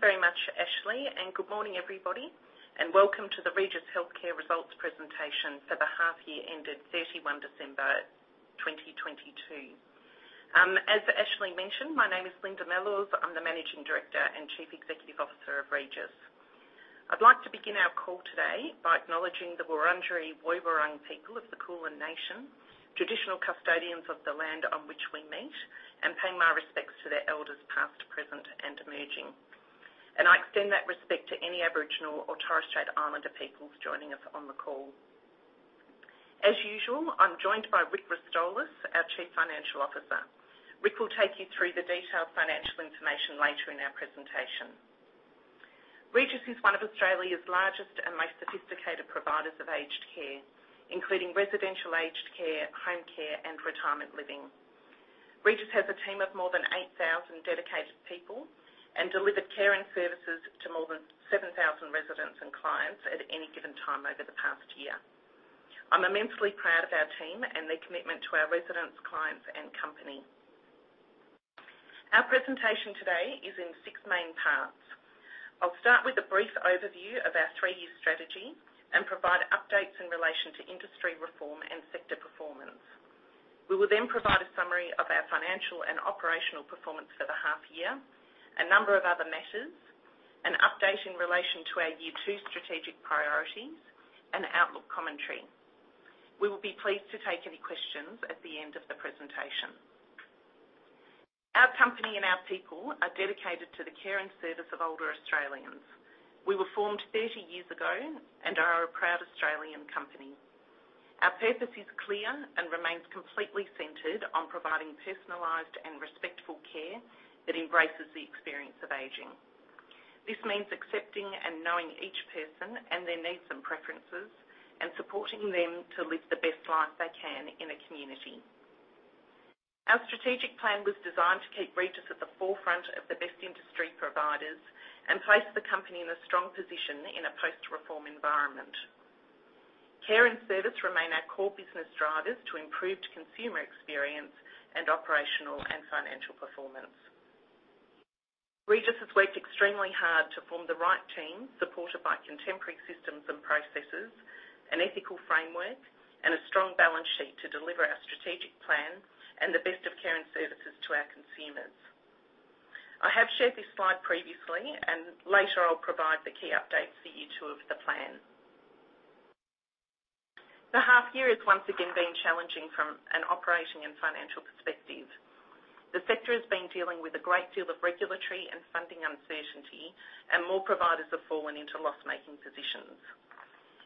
Thanks very much, Ashley, and good morning, everybody, and welcome to the Regis Healthcare results presentation for the half year ended 31 December, 2022. As Ashley mentioned, my name is Linda Mellors. I'm the Managing Director and Chief Executive Officer of Regis. I'd like to begin our call today by acknowledging the Wurundjeri Woi-wurrung people of the Kulin Nation, traditional custodians of the land on which we meet, and pay my respects to their elders past, present, and emerging. I extend that respect to any Aboriginal or Torres Strait Islander peoples joining us on the call. As usual, I'm joined by Rick Rostolis, our Chief Financial Officer. Rick will take you through the detailed financial information later in our presentation. Regis is one of Australia's largest and most sophisticated providers of aged care, including residential aged care, home care, and retirement living. Regis has a team of more than 8,000 dedicated people and delivered care and services to more than 7,000 residents and clients at any given time over the past year. I'm immensely proud of our team and their commitment to our residents, clients, and company. Our presentation today is in 6 main parts. I'll start with a brief overview of our 3-year strategy and provide updates in relation to industry reform and sector performance. We will provide a summary of our financial and operational performance for the half-year, a number of other matters, an update in relation to our year 2 strategic priorities, and outlook commentary. We will be pleased to take any questions at the end of the presentation. Our company and our people are dedicated to the care and service of older Australians. We were formed 30 years ago and are a proud Australian company. Our purpose is clear and remains completely centered on providing personalized and respectful care that embraces the experience of aging. This means accepting and knowing each person and their needs and preferences and supporting them to live the best life they can in a community. Our strategic plan was designed to keep Regis at the forefront of the best industry providers and place the company in a strong position in a post-reform environment. Care and service remain our core business drivers to improved consumer experience and operational and financial performance. Regis has worked extremely hard to form the right team, supported by contemporary systems and processes, an ethical framework, and a strong balance sheet to deliver our strategic plan and the best of care and services to our consumers. I have shared this slide previously. Later I'll provide the key updates for year two of the plan. The half year has once again been challenging from an operating and financial perspective. The sector has been dealing with a great deal of regulatory and funding uncertainty. More providers have fallen into loss-making positions.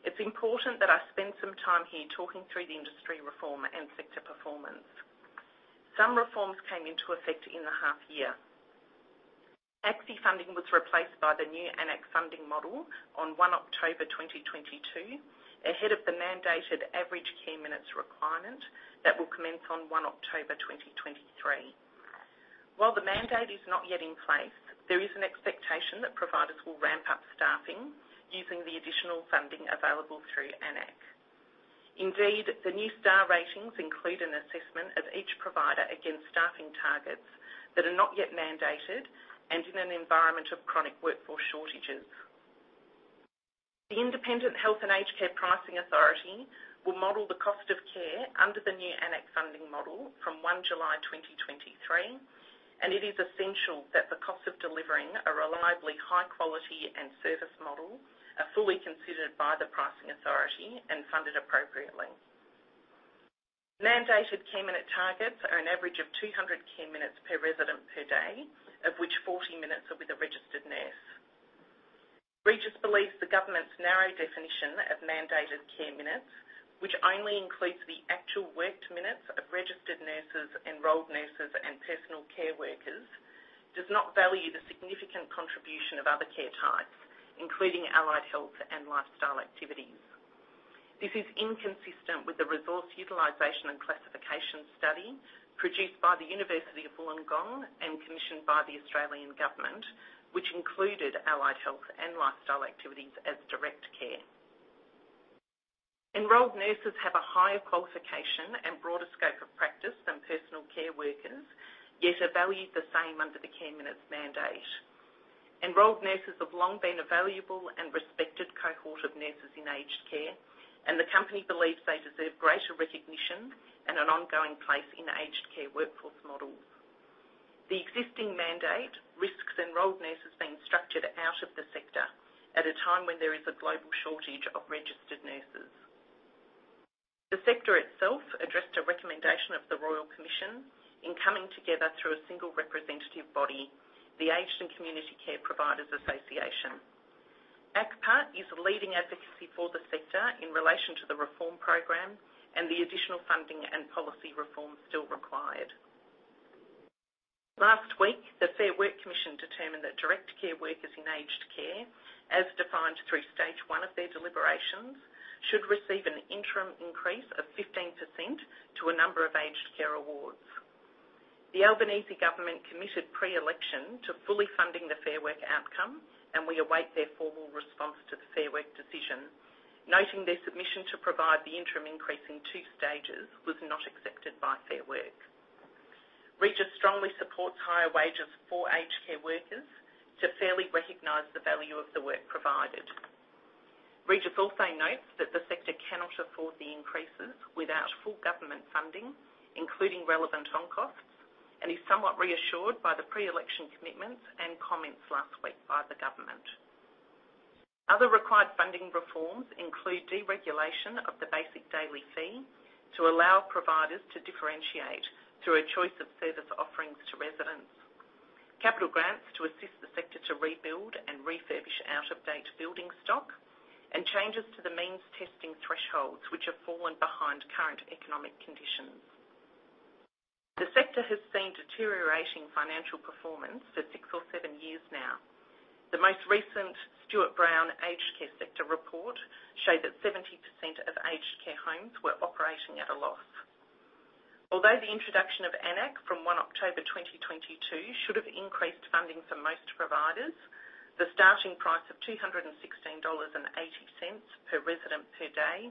It's important that I spend some time here talking through the industry reform and sector performance. Some reforms came into effect in the half year. ACFI funding was replaced by the new AN-ACC funding model on October 1, 2022, ahead of the mandated average care minutes requirement that will commence on October 1, 2023. While the mandate is not yet in place, there is an expectation that providers will ramp up staffing using the additional funding available through AN-ACC. Indeed, the new star ratings include an assessment of each provider against staffing targets that are not yet mandated and in an environment of chronic workforce shortages. The Independent Health and Aged Care Pricing Authority will model the cost of care under the new AN-ACC funding model from July 1, 2023. It is essential that the cost of delivering a reliably high quality and service model are fully considered by the Pricing Authority and funded appropriately. Mandated care minute targets are an average of 200 care minutes per resident per day, of which 40 minutes are with a registered nurse. Regis believes the government's narrow definition of mandated care minutes, which only includes the actual worked minutes of registered nurses, enrolled nurses and personal care workers, does not value the significant contribution of other care types, including allied health and lifestyle activities. This is inconsistent with the resource utilization and classification study produced by the University of Wollongong and commissioned by the Australian Government, which included allied health and lifestyle activities as direct care. enrolled nurses have a higher qualification and broader scope of practice than personal care workers, yet are valued the same under the care minutes mandate. enrolled nurses have long been a valuable and respected cohort of nurses in aged care, and the company believes they deserve greater recognition and an ongoing place in aged care workforce models. The existing mandate risks enrolled nurses being structured out of the sector at a time when there is a global shortage of registered nurses. The sector itself addressed a recommendation of the Royal Commission in coming together through a single representative body, the Aged and Community Care Providers Association. ACCPA is leading advocacy for the sector in relation to the reform program and the additional funding and policy reform still required. Last week, the Fair Work Commission determined that direct care workers in aged care, as defined through stage one of their deliberations, should receive an interim increase of 15% to a number of aged care awards. The Albanese Government committed pre-election to fully funding the Fair Work outcome, and we await their formal response to the Fair Work decision, noting their submission to provide the interim increase in 2 stages was not accepted by Fair Work. Regis strongly supports higher wages for aged care workers to fairly recognize the value of the work provided. Regis also notes that the sector cannot afford the increases without full government funding, including relevant on-costs, and is somewhat reassured by the pre-election commitments and comments last week by the government. Other required funding reforms include deregulation of the basic daily fee to allow providers to differentiate through a choice of service offerings to residents. Capital grants to assist the sector to rebuild and refurbish out-of-date building stock, changes to the means testing thresholds which have fallen behind current economic conditions. The sector has seen deteriorating financial performance for six years or seven years now. The most recent Stewart Brown Aged Care Sector report showed that 70% of aged care homes were operating at a loss. Although the introduction of AN-ACC from one October 2022 should have increased funding for most providers, the starting price of 216.80 dollars per resident per day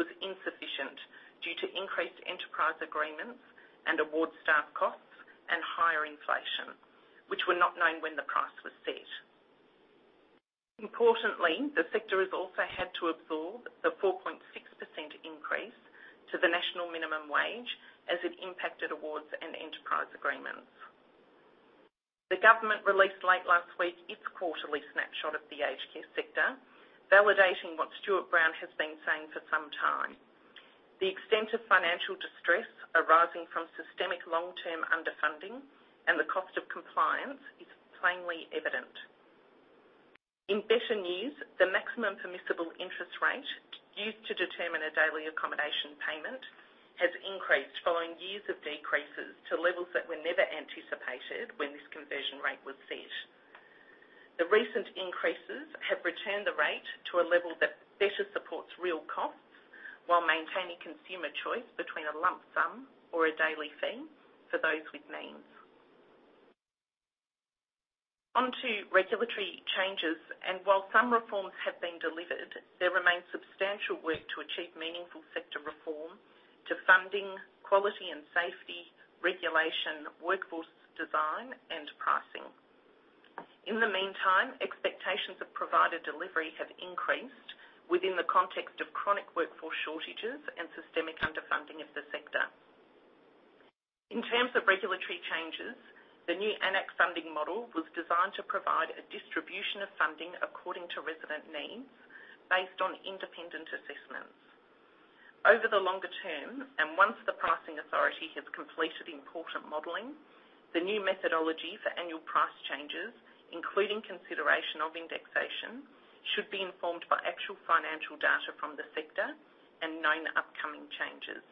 was insufficient due to increased enterprise agreements and award staff costs and higher inflation, which were not known when the price was set. Importantly, the sector has also had to absorb the 4.6% increase to the national minimum wage as it impacted awards and enterprise agreements. The government released late last week, its quarterly snapshot of the aged care sector, validating what Stewart Brown has been saying for some time. The extent of financial distress arising from systemic long-term underfunding and the cost of compliance is plainly evident. In better years, the maximum permissible interest rate used to determine a Daily Accommodation Payment has increased following years of decreases to levels that were never anticipated when this conversion rate was set. The recent increases have returned the rate to a level that better supports real costs, while maintaining consumer choice between a lump sum or a daily fee for those with means. On to regulatory changes, and while some reforms have been delivered, there remains substantial work to achieve meaningful sector reform to funding, quality and safety, regulation, workforce design, and pricing. In the meantime, expectations of provider delivery have increased within the context of chronic workforce shortages and systemic underfunding of the sector. In terms of regulatory changes, the new AN-ACC funding model was designed to provide a distribution of funding according to resident needs based on independent assessments. Over the longer term, and once the Pricing Authority has completed important modeling, the new methodology for annual price changes, including consideration of indexation, should be informed by actual financial data from the sector and known upcoming changes.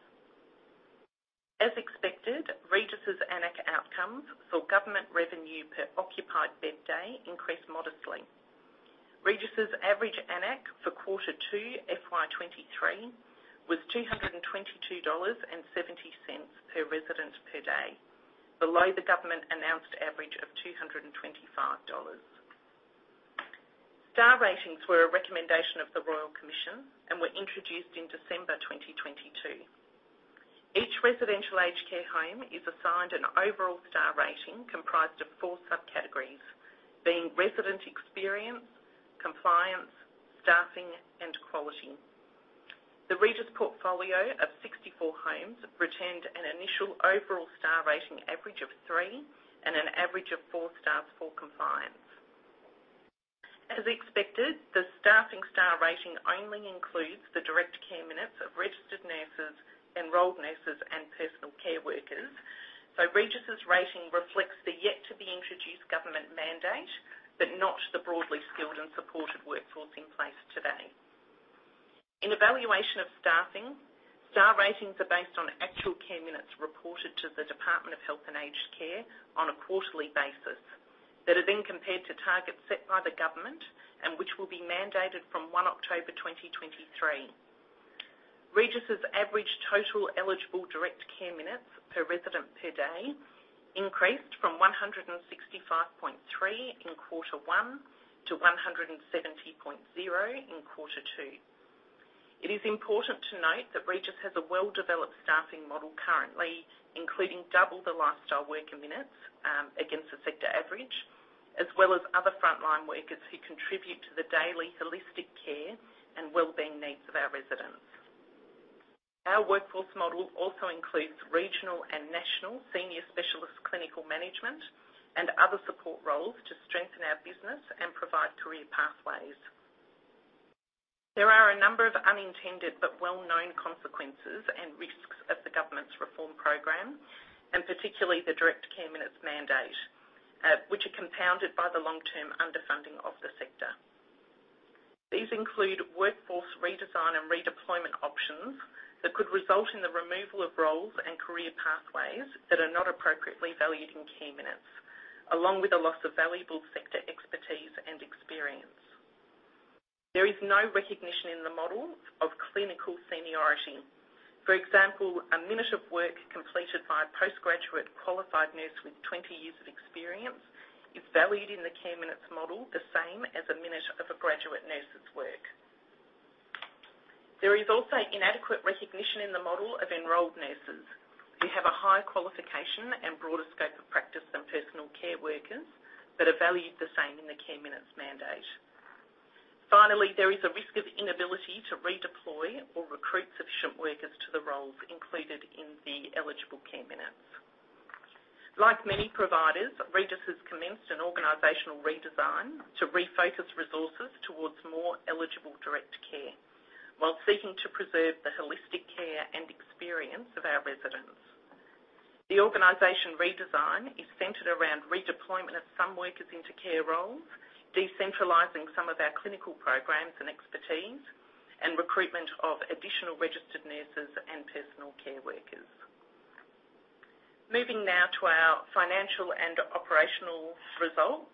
As expected, Regis's AN-ACC outcomes for government revenue per occupied bed day increased modestly. Regis's average AN-ACC for quarter two FY 2023 was 222.70 dollars per resident per day, below the government-announced average of 225 dollars. Star ratings were a recommendation of the Royal Commission and were introduced in December 2022. Each residential aged care home is assigned an overall star rating comprised of 4 subcategories, being resident experience, compliance, staffing, and quality. The Regis portfolio of 64 homes retained an initial overall star rating average of 3 and an average of 4 stars for compliance. Regis's rating reflects the yet-to-be-introduced government mandate, but not the broadly skilled and supported workforce in place today. In evaluation of staffing, star ratings are based on actual care minutes reported to the Department of Health and Aged Care on a quarterly basis that are then compared to targets set by the government and which will be mandated from 1 October 2023. Regis's average total eligible direct care minutes per resident per day increased from 165.3 in quarter 1 to 170.0 in quarter 2. It is important to note that Regis has a well-developed staffing model currently, including double the lifestyle worker minutes against the sector average, as well as other frontline workers who contribute to the daily holistic care and well-being needs of our residents. Our workforce model also includes regional and national senior specialist clinical management and other support roles to strengthen our business and provide career pathways. There are a number of unintended but well-known consequences and risks of the government's reform program, and particularly the direct care minutes mandate, which are compounded by the long-term underfunding of the sector. These include workforce redesign and redeployment options that could result in the removal of roles and career pathways that are not appropriately valued in care minutes, along with a loss of valuable sector expertise and experience. There is no recognition in the model of clinical seniority. For example, a minute of work completed by a postgraduate qualified nurse with 20 years of experience is valued in the care minutes model the same as a minute of a graduate nurse's work. There is also inadequate recognition in the model of enrolled nurses who have a higher qualification and broader scope of practice than personal care workers, but are valued the same in the care minutes mandate. There is a risk of inability to redeploy or recruit sufficient workers to the roles included in the eligible care minutes. Like many providers, Regis has commenced an organizational redesign to refocus resources towards more eligible direct care while seeking to preserve the holistic care and experience of our residents. The organization redesign is centered around redeployment of some workers into care roles, decentralizing some of our clinical programs and expertise, and recruitment of additional registered nurses and personal care workers. Moving now to our financial and operational results,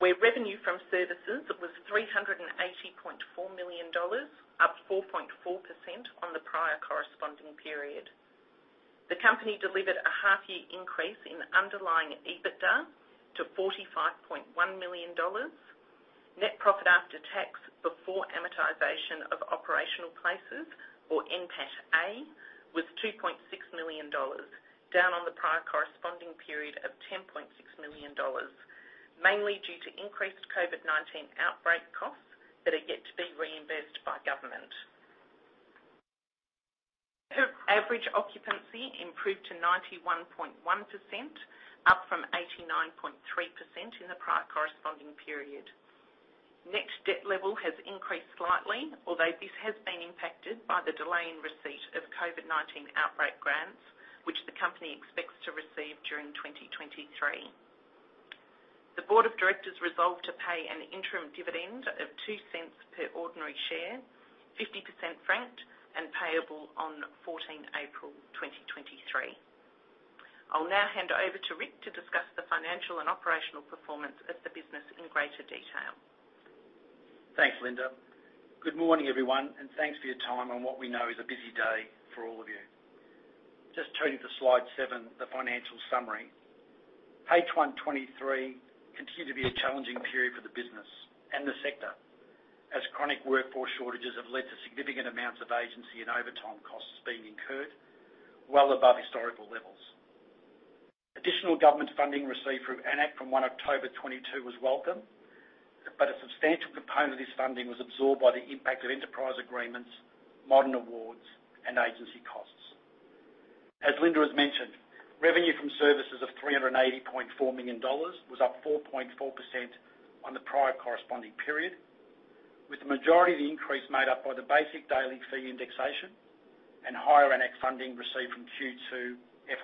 where revenue from services was 380.4 million dollars, up 4.4% on the prior corresponding period. The company delivered a half-year increase in underlying EBITDA to 45.1 million dollars. Net profit after tax before amortization of operational places, or NPATA, was 2.6 million dollars, down on the prior corresponding period of 10.6 million dollars, mainly due to increased COVID-19 outbreak costs that are yet to be reimbursed by government. Average occupancy improved to 91.1%, up from 89.3% in the prior corresponding period. Net debt level has increased slightly, although this has been impacted by the delay in receipt of COVID-19 outbreak grants, which the company expects to receive during 2023. The board of directors resolved to pay an interim dividend of 0.02 per ordinary share, 50% franked and payable on 14 April 2023. I'll now hand over to Rick to discuss the financial and operational performance of the business in greater detail. Thanks, Linda. Good morning, everyone, thanks for your time on what we know is a busy day for all of you. Just turning to slide 7, the financial summary. H1 2023 continued to be a challenging period for the business and the sector, as chronic workforce shortages have led to significant amounts of agency and overtime costs being incurred well above historical levels. Additional government funding received through AN-ACC from October 1, 2022, was welcome. A substantial component of this funding was absorbed by the impact of enterprise agreements, modern awards, and agency costs. As Linda has mentioned, revenue from services of 380.4 million dollars was up 4.4% on the prior corresponding period, with the majority of the increase made up by the basic daily fee indexation and higher AN-ACC funding received from Q2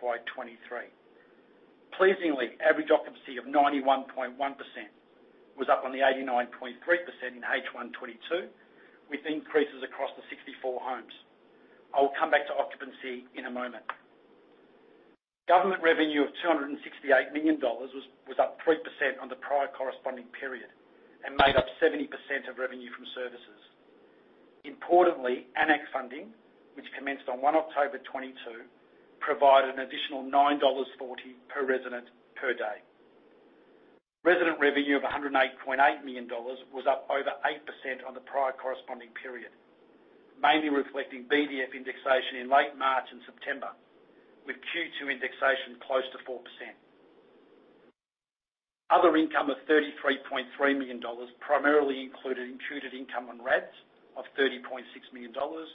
FY2023. Pleasingly, average occupancy of 91.1% was up on the 89.3% in H1 2022, with increases across the 64 homes. I will come back to occupancy in a moment. Government revenue of 268 million dollars was up 3% on the prior corresponding period and made up 70% of revenue from services. Importantly, AN-ACC funding, which commenced on October 1, 2022, provided an additional 9.40 dollars per resident per day. Resident revenue of 108.8 million dollars was up over 8% on the prior corresponding period, mainly reflecting BDF indexation in late March and September, with Q2 indexation close to 4%. Other income of 33.3 million dollars primarily included imputed income on RADs of 30.6 million dollars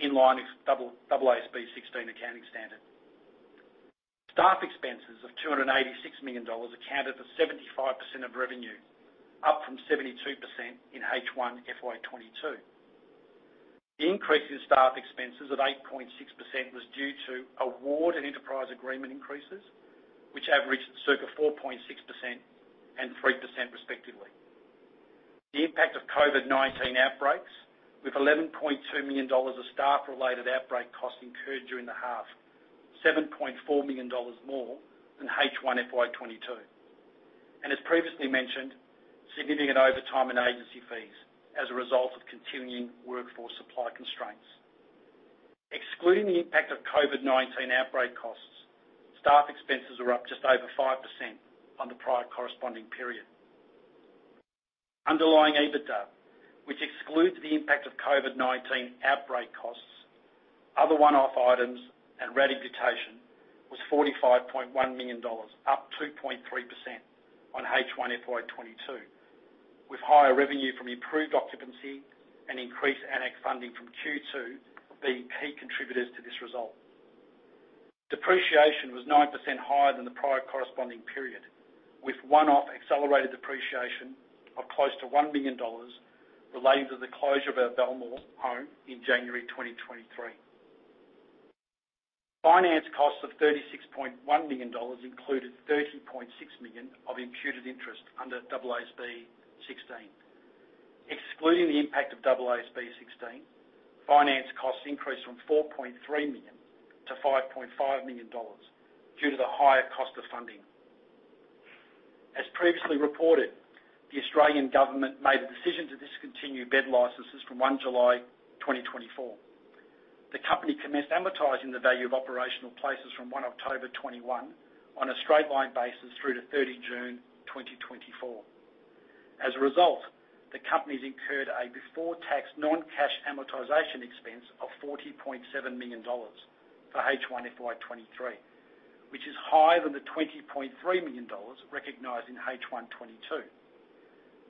in line with double- AASB 16 accounting standard. Staff expenses of 286 million dollars accounted for 75% of revenue, up from 72% in H1 FY 2022. The increase in staff expenses of 8.6% was due to award and enterprise agreement increases, which averaged circa 4.6% and 3% respectively. The impact of COVID-19 outbreaks, with AUD 11.2 million of staff-related outbreak costs incurred during the half, AUD 7.4 million more than H1 FY 2022. As previously mentioned, significant overtime and agency fees as a result of continuing workforce supply constraints. Excluding the impact of COVID-19 outbreak costs, staff expenses are up just over 5% on the prior corresponding period. Underlying EBITDA, which excludes the impact of COVID-19 outbreak costs, other one-off items and RAD amortization, was 45.1 million dollars, up 2.3% on H1 FY 2022, with higher revenue from improved occupancy and increased AN-ACC funding from Q2 being key contributors to this result. Depreciation was 9% higher than the prior corresponding period, with one-off accelerated depreciation of close to 1 million dollars relating to the closure of our Belmore home in January 2023. Finance costs of 36.1 million dollars included 30.6 million of imputed interest under AASB 16. Excluding the impact of AASB 16, finance costs increased from 4.3 million to 5.5 million dollars due to the higher cost of funding. As previously reported, the Australian government made a decision to discontinue bed licenses from July 1, 2024. The company commenced amortizing the value of operational places from October 1, 2021 on a straight line basis through to June 30, 2024. As a result, the company's incurred a before-tax non-cash amortization expense of 40.7 million dollars for H1 FY 2023, which is higher than the 20.3 million dollars recognized in H1 2022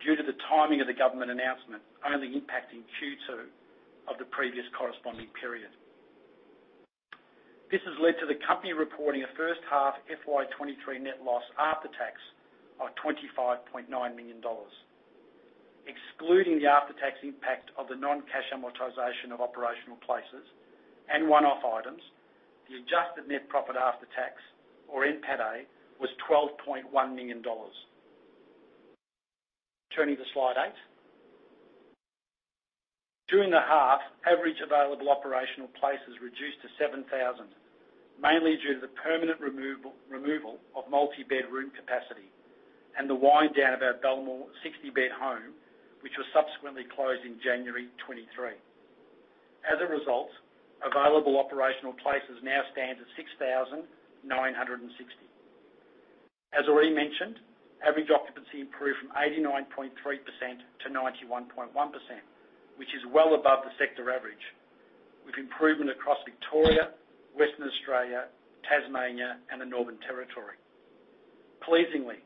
due to the timing of the government announcement only impacting Q2 of the previous corresponding period. This has led to the company reporting a first-half FY 2023 net loss after tax of AUD 25.9 million. Excluding the after-tax impact of the non-cash amortization of operational places and one-off items, the adjusted net profit after tax or NPAT was 12.1 million dollars. Turning to slide 8. During the half, average available operational places reduced to 7,000, mainly due to the permanent removal of multi-bed room capacity and the wind down of our Belmore 60-bed home, which was subsequently closed in January 2023. As a result, available operational places now stand at 6,960. As already mentioned, average occupancy improved from 89.3%-91.1%, which is well above the sector average, with improvement across Victoria, Western Australia, Tasmania, and the Northern Territory. Pleasingly,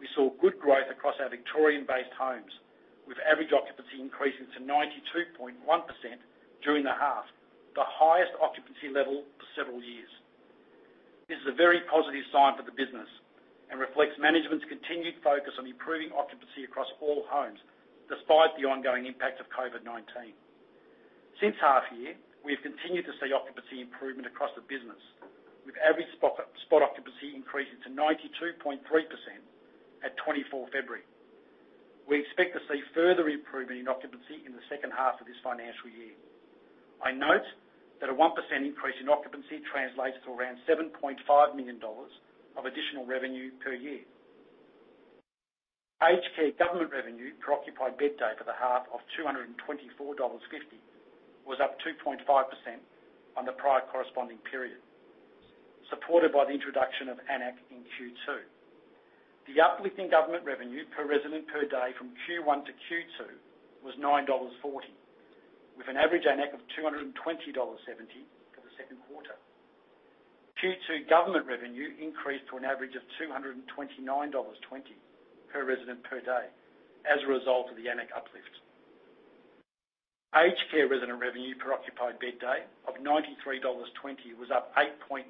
we saw good growth across our Victorian-based homes, with average occupancy increasing to 92.1% during the half, the highest occupancy level for several years. This is a very positive sign for the business and reflects management's continued focus on improving occupancy across all homes despite the ongoing impact of COVID-19. Since half year, we have continued to see occupancy improvement across the business, with average spot occupancy increasing to 92.3% at 24th February. We expect to see further improvement in occupancy in the second half of this financial year. I note that a 1% increase in occupancy translates to around 7.5 million dollars of additional revenue per year. Aged care government revenue per occupied bed day for the half of 224.50 dollars was up 2.5% on the prior corresponding period, supported by the introduction of AN-ACC in Q2. The uplifting government revenue per resident per day from Q1 to Q2 was AUD 9.40, with an average AN-ACC of 220.70 dollars for the second quarter. Q2 government revenue increased to an average of 229.20 dollars per resident per day as a result of the AN-ACC uplift. Aged care resident revenue per occupied bed day of 93.20 dollars was up 8.9%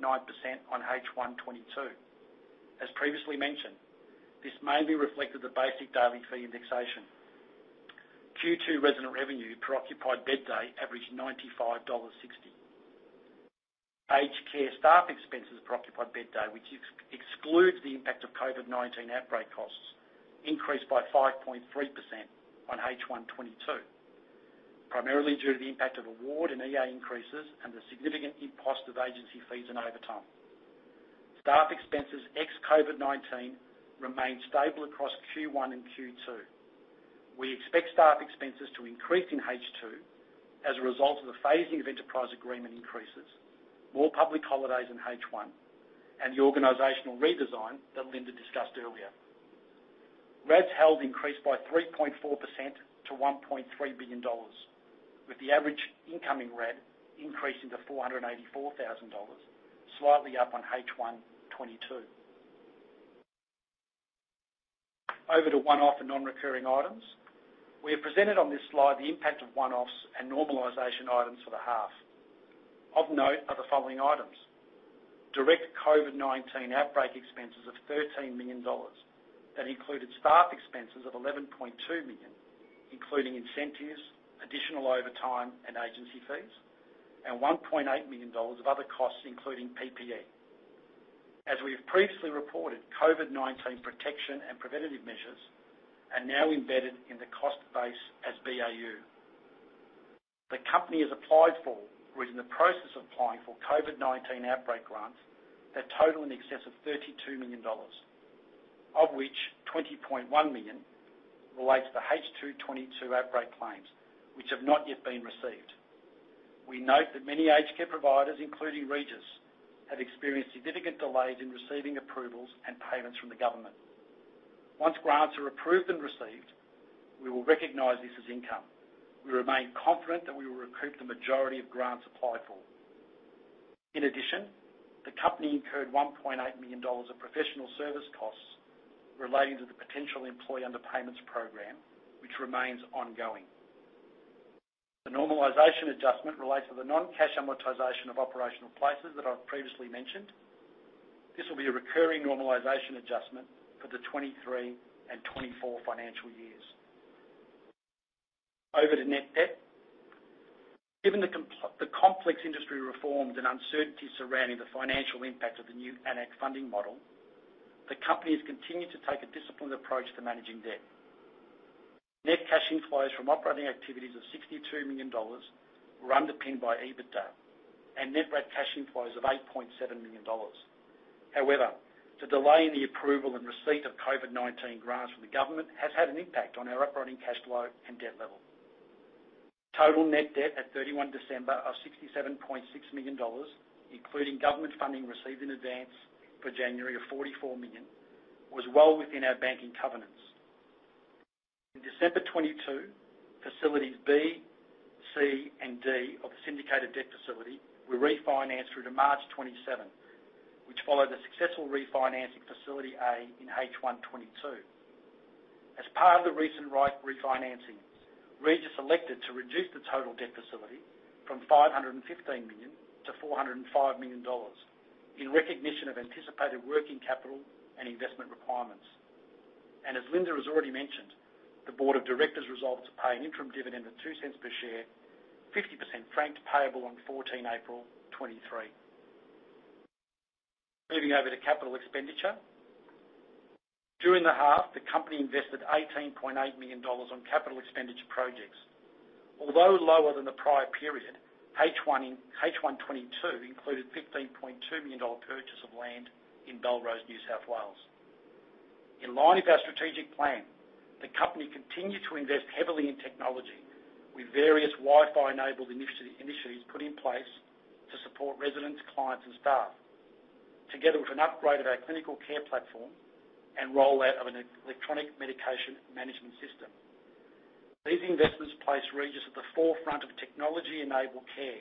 on H1 2022. As previously mentioned, this mainly reflected the basic daily fee indexation. Q2 resident revenue per occupied bed day averaged 95.60 dollars. Aged care staff expenses per occupied bed day, which excludes the impact of COVID-19 outbreak costs, increased by 5.3% on H1 2022, primarily due to the impact of award and EA increases and the significant impost of agency fees and overtime. Staff expenses ex-COVID-19 remained stable across Q1 and Q2. We expect staff expenses to increase in H2 as a result of the phasing of enterprise agreement increases, more public holidays in H1, and the organizational redesign that Linda discussed earlier. RADs held increased by 3.4% to 1.3 billion dollars, with the average incoming RAD increasing to 484,000 dollars, slightly up on H1 2022. Over to one-off and non-recurring items. We have presented on this slide the impact of one-offs and normalization items for the half. Of note are the following items: Direct COVID-19 outbreak expenses of 13 million dollars that included staff expenses of 11.2 million, including incentives, additional overtime, and agency fees, and 1.8 million dollars of other costs, including PPE. As we have previously reported, COVID-19 protection and preventative measures are now embedded in the cost base as BAU. The company has applied for or is in the process of applying for COVID-19 outbreak grants that total in excess of 32 million dollars, of which 20.1 million relates to the H2 2022 outbreak claims, which have not yet been received. We note that many aged care providers, including Regis, have experienced significant delays in receiving approvals and payments from the government. Once grants are approved and received, we will recognize this as income. We remain confident that we will recruit the majority of grants applied for. In addition, the company incurred 1.8 million dollars of professional service costs relating to the potential employee underpayments program, which remains ongoing. The normalization adjustment relates to the non-cash amortization of operational places that I've previously mentioned. This will be a recurring normalization adjustment for the 2023 and 2024 financial years. Over to net debt. Given the complex industry reforms and uncertainties surrounding the financial impact of the new AN-ACC funding model, the company has continued to take a disciplined approach to managing debt. Net cash inflows from operating activities of $62 million were underpinned by EBITDA and net RAD cash inflows of $8.7 million. The delay in the approval and receipt of COVID-19 grants from the government has had an impact on our operating cash flow and debt level. Total net debt at 31 December of $67.6 million, including government funding received in advance for January of $44 million, was well within our banking covenants. In December 2022, Facilities B, C, and D of the syndicated debt facility were refinanced through to March 2027, which followed the successful refinancing Facility A in H1 2022. As part of the recent right refinancings, Regis elected to reduce the total debt facility from 515 million-405 million dollars in recognition of anticipated working capital and investment requirements. As Linda has already mentioned, the board of directors resolved to pay an interim dividend of 0.02 per share, 50% franked payable on 14 April 2023. Moving over to capital expenditure. During the half, the company invested 18.8 million dollars on capital expenditure projects. Although lower than the prior period, H1 2022 included AUD 15.2 million purchase of land in Belrose, New South Wales. In line with our strategic plan, the company continued to invest heavily in technology with various Wi-Fi enabled initiatives put in place to support residents, clients, and staff, together with an upgrade of our clinical care platform and rollout of an electronic medication management system. These investments place Regis at the forefront of technology-enabled care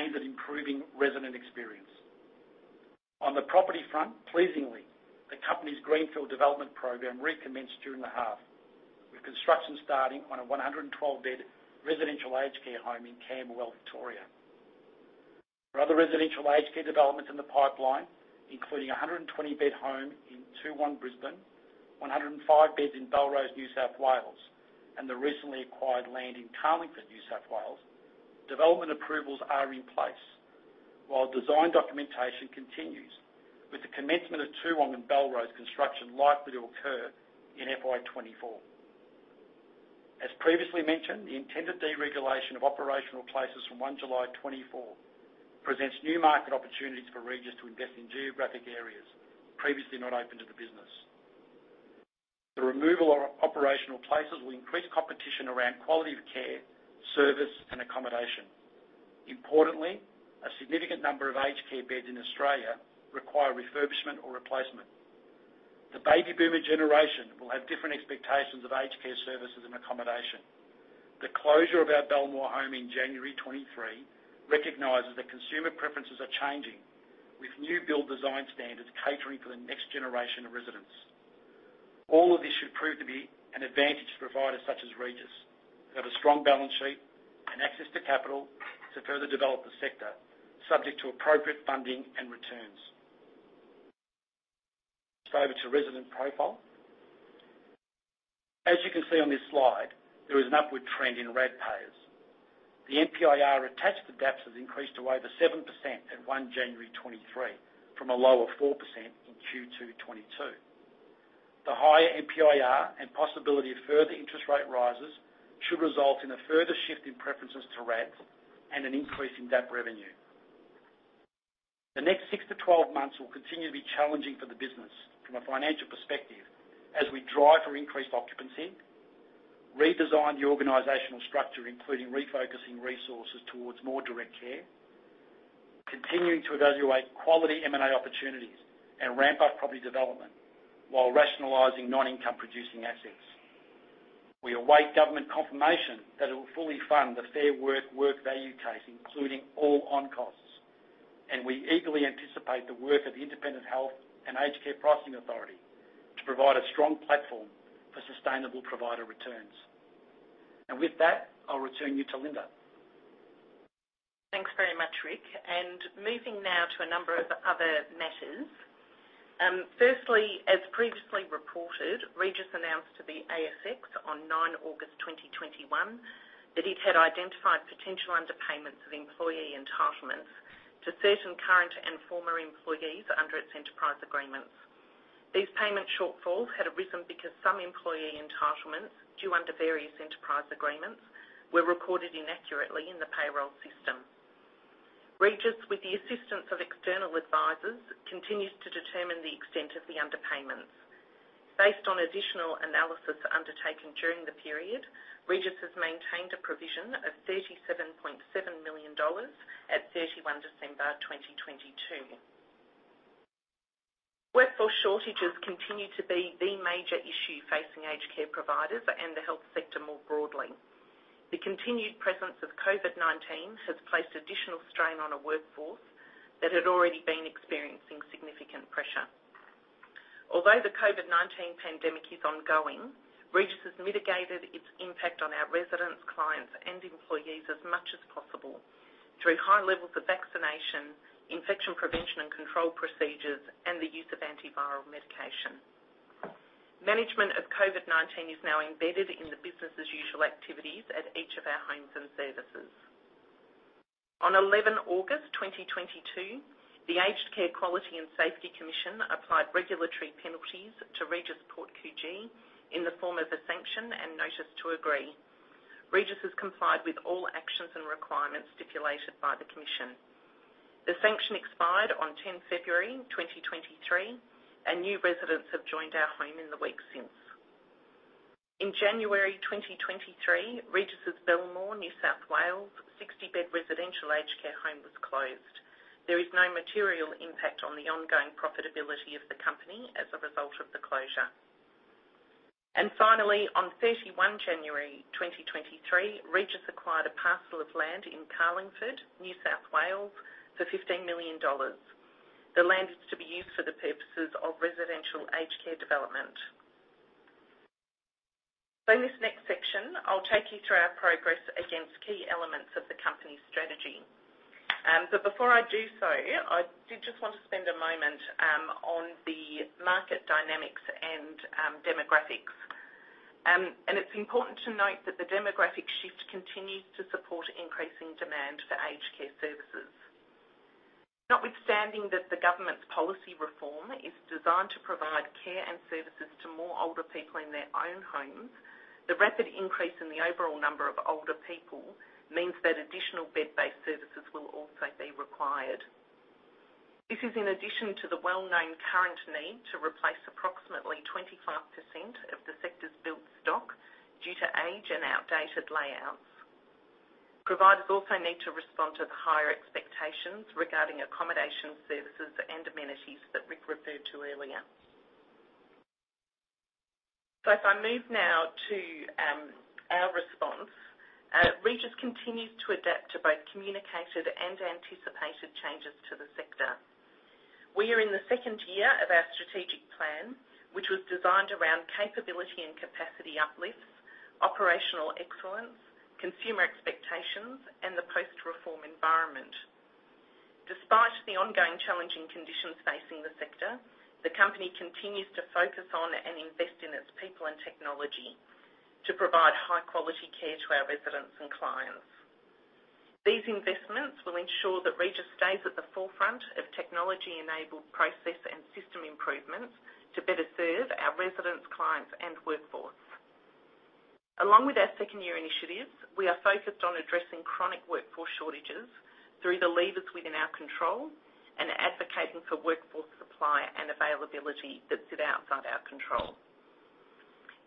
aimed at improving resident experience. On the property front, pleasingly, the company's greenfield development program recommenced during the half, with construction starting on a 112-bed residential aged care home in Camberwell, Victoria. For other residential aged care developments in the pipeline, including a 120-bed home in Toowong, Brisbane, 105 beds in Belrose, New South Wales, and the recently acquired land in Carlingford, New South Wales, development approvals are in place while design documentation continues, with the commencement of Toowong and Belrose construction likely to occur in FY 2024. As previously mentioned, the intended deregulation of operational places from July 1, 2024 presents new market opportunities for Regis to invest in geographic areas previously not open to the business. The removal of operational places will increase competition around quality of care, service, and accommodation. Importantly, a significant number of aged care beds in Australia require refurbishment or replacement. The baby boomer generation will have different expectations of aged care services and accommodation. The closure of our Belmore home in January 2023 recognizes that consumer preferences are changing, with new build design standards catering for the next generation of residents. All of this should prove to be an advantage to providers such as Regis, who have a strong balance sheet and access to capital to further develop the sector subject to appropriate funding and returns. Over to resident profile. As you can see on this slide, there is an upward trend in RAD payers. The NPIR attached to DAPs has increased to over 7% at 1 January 2023 from a low of 4% in Q2 2022. The higher NPIR and possibility of further interest rate rises should result in a further shift in preferences to RAD and an increase in DAP revenue. The next 6 months-12 months will continue to be challenging for the business from a financial perspective as we drive for increased occupancy, redesign the organizational structure, including refocusing resources towards more direct care, continuing to evaluate quality M&A opportunities, and ramp up property development while rationalizing non-income producing assets. We await government confirmation that it will fully fund the Fair Work work value case, including all on costs, and we eagerly anticipate the work of the Independent Health and Aged Care Pricing Authority to provide a strong platform for sustainable provider returns. With that, I'll return you to Linda. Thanks very much, Rick. Moving now to a number of other matters. Firstly, as previously reported, Regis announced to the ASX on August 9, 2021, that it had identified potential underpayments of employee entitlements to certain current and former employees under its enterprise agreements. These payment shortfalls had arisen because some employee entitlements due under various enterprise agreements were recorded inaccurately in the payroll system. Regis, with the assistance of external advisors, continues to determine the extent of the underpayments. Based on additional analysis undertaken during the period, Regis has maintained a provision of 37.7 million dollars at December 31, 2022. Workforce shortages continue to be the major issue facing aged care providers and the health sector more broadly. The continued presence of COVID-19 has placed additional strain on a workforce that had already been experiencing significant pressure. Although the COVID-19 pandemic is ongoing, Regis has mitigated its impact on our residents, clients, and employees as much as possible through high levels of vaccination, infection prevention and control procedures, and the use of antiviral medication. Management of COVID-19 is now embedded in the business's usual activities at each of our homes and services. On 11th August 2022, the Aged Care Quality and Safety Commission applied regulatory penalties to Regis Port Coogee in the form of a sanction and notice to agree. Regis has complied with all actions and requirements stipulated by the Commission. The sanction expired on 10th February 2023, and new residents have joined our home in the weeks since. In January 2023, Regis' Belmore, New South Wales 60-bed residential aged care home was closed. There is no material impact on the ongoing profitability of the company as a result of the closure. Finally, on 31 January 2023, Regis acquired a parcel of land in Carlingford, New South Wales, for 15 million dollars. The land is to be used for the purposes of residential aged care development. In this next section, I'll take you through our progress against key elements of the company's strategy. Before I do so, I did just want to spend a moment on the market dynamics and demographics. It's important to note that the demographic shift continues to support increasing demand for aged care services. Notwithstanding that the government's policy reform is designed to provide care and services to more older people in their own homes, the rapid increase in the overall number of older people means that additional bed-based services will also be required. This is in addition to the well-known current need to replace approximately 25% of the sector's built stock due to age and outdated layouts. Providers also need to respond to the higher expectations regarding accommodation services and amenities that Rick referred to earlier. If I move now to our response, Regis continues to adapt to both communicated and anticipated changes to the sector. We are in the second year of our strategic plan, which was designed around capability and capacity uplifts, operational excellence, consumer expectations, and the post-reform environment. Despite the ongoing challenging conditions facing the sector, the company continues to focus on and invest in its people and technology to provide high-quality care to our residents and clients. These investments will ensure that Regis stays at the forefront of technology-enabled process and system improvements to better serve our residents, clients, and workforce. Along with our second-year initiatives, we are focused on addressing chronic workforce shortages through the levers within our control and advocating for workforce supply and availability that sit outside our control.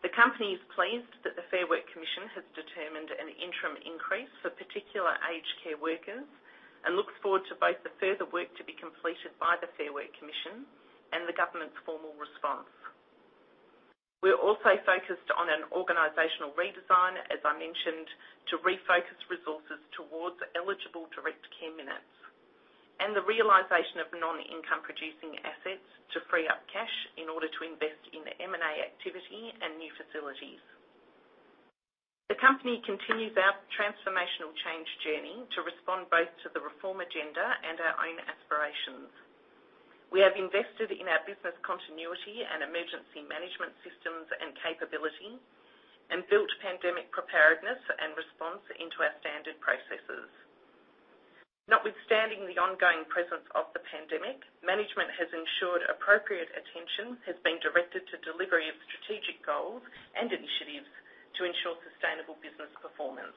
The company is pleased that the Fair Work Commission has determined an interim increase for particular aged care workers and looks forward to both the further work to be completed by the Fair Work Commission and the government's formal response. We're also focused on an organizational redesign, as I mentioned, to refocus resources towards eligible direct care minutes and the realization of non-income producing assets to free up cash in order to invest in the M&A activity and new facilities. The company continues our transformational change journey to respond both to the reform agenda and our own aspirations. We have invested in our business continuity and emergency management systems and capability and built pandemic preparedness and response into our standard processes. Notwithstanding the ongoing presence of the pandemic, management has ensured appropriate attention has been directed to delivery of strategic goals and initiatives to ensure sustainable business performance.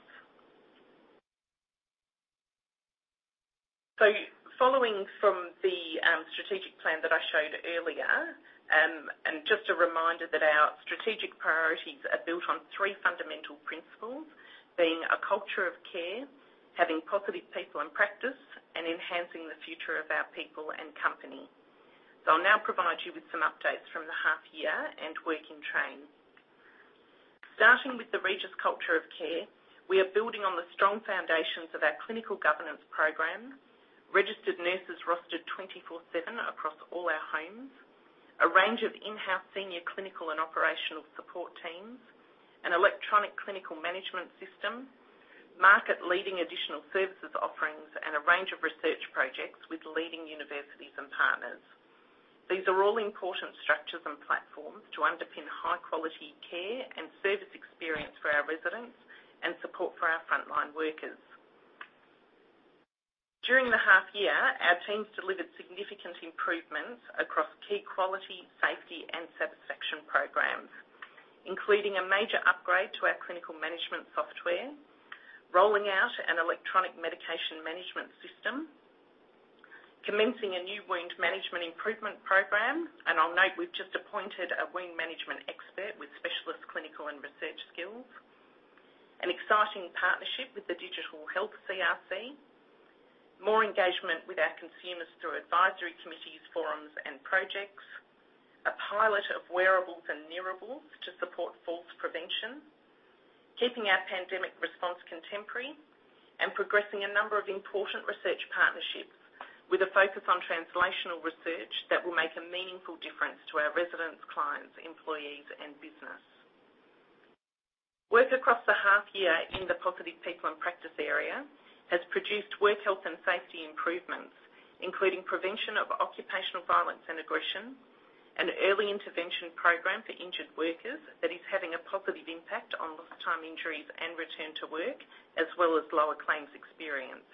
Following from the strategic plan that I showed earlier, and just a reminder that our strategic priorities are built on three fundamental principles being a culture of care, having positive people and practice, and enhancing the future of our people and company. I'll now provide you with some updates from the half year and work in train. Starting with the Regis culture of care, we are building on the strong foundations of our clinical governance program, registered nurses rostered 24/7 across all our homes, a range of in-house senior clinical and operational support teams, an electronic clinical management system, market-leading additional services offerings, and a range of research projects with leading universities and partners. These are all important structures and platforms to underpin high-quality care and service experience for our residents and support for our frontline workers. During the half year, our teams delivered significant improvements across key quality, safety, and satisfaction programs, including a major upgrade to our clinical management software, rolling out an electronic medication management system, commencing a new wound management improvement program, I'll note we've just appointed a wound management expert with specialist clinical and research skills. An exciting partnership with the Digital Health CRC. More engagement with our consumers through advisory committees, forums and projects. A pilot of wearables and nearables to support falls prevention. Keeping our pandemic response contemporary, and progressing a number of important research partnerships with a focus on translational research that will make a meaningful difference to our residents, clients, employees, and business. Work across the half year in the positive people and practice area has produced work, health, and safety improvements, including prevention of occupational violence and aggression, an early intervention program for injured workers that is having a positive impact on lost time injuries and return to work, as well as lower claims experience.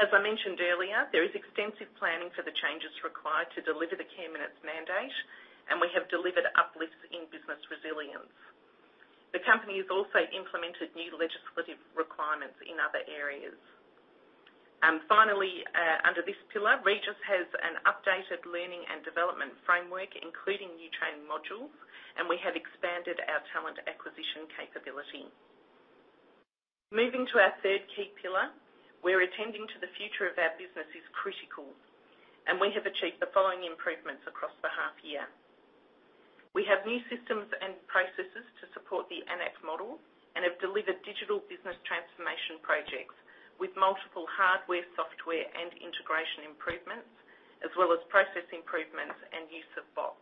As I mentioned earlier, there is extensive planning for the changes required to deliver the care minutes mandate, and we have delivered uplifts in business resilience. The company has also implemented new legislative requirements in other areas. Finally, under this pillar, Regis has an updated learning and development framework, including new training modules, and we have expanded our talent acquisition capability. Moving to our third key pillar, where attending to the future of our business is critical, and we have achieved the following improvements across the half year. We have new systems and processes to support the AN-ACC model and have delivered digital business transformation projects with multiple hardware, software and integration improvements, as well as process improvements and use of bots.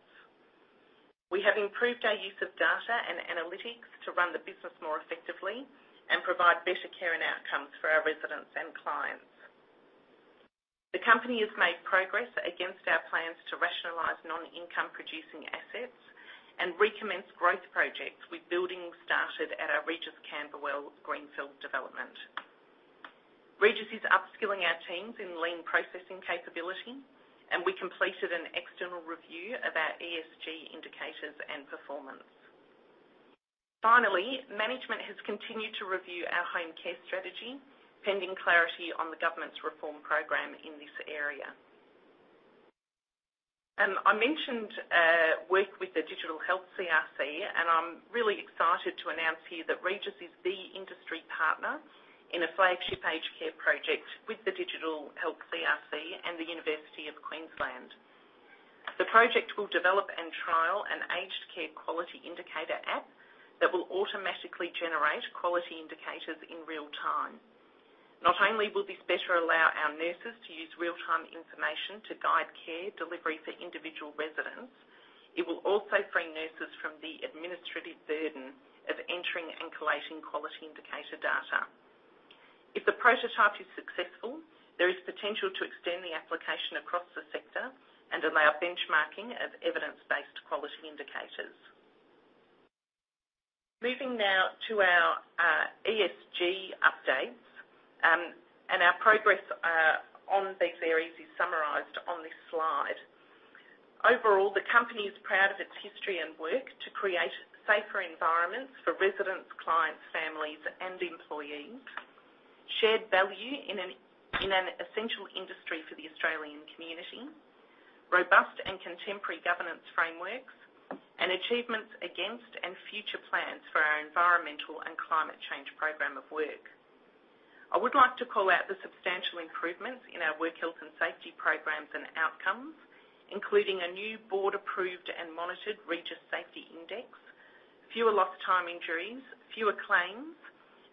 We have improved our use of data and analytics to run the business more effectively and provide better care and outcomes for our residents and clients. The company has made progress against our plans to rationalize non-income producing assets and recommence growth projects with buildings started at our Regis Camberwell greenfield development. Regis is upskilling our teams in lean processing capability. We completed an external review of our ESG indicators and performance. Finally, management has continued to review our home care strategy pending clarity on the government's reform program in this area. I mentioned work with the Digital Health CRC. I'm really excited to announce here that Regis is the industry partner in a flagship aged care project with the Digital Health CRC and The University of Queensland. The project will develop and trial an aged care quality indicator app that will automatically generate quality indicators in real time. Not only will this better allow our nurses to use real-time information to guide care delivery for individual residents, it will also free nurses from the administrative burden of entering and collating quality indicator data. If the prototype is successful, there is potential to extend the application across the sector and allow benchmarking of evidence-based quality indicators. Moving now to our ESG updates, and our progress on these areas is summarized on this slide. Overall, the company is proud of its history and work to create safer environments for residents, clients, families and employees. Shared value in an essential industry for the Australian community, robust and contemporary governance frameworks and achievements against and future plans for our environmental and climate change program of work. I would like to call out the substantial improvements in our work health and safety programs and outcomes, including a new board-approved and monitored Regis Safety Index, fewer lost time injuries, fewer claims